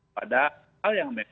pada hal yang